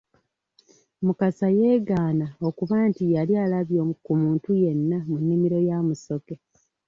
Mukasa yeegaana okuba nti yali alabye ku muntu yenna mu nnimiro ya Musoke.